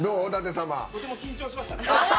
とても緊張しましたね。